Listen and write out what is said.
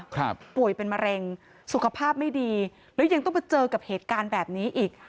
ป่วยเป็นมะเร็งสุขภาพไม่ดีแล้วยังต้องมาเจอกับเหตุการณ์แบบนี้อีก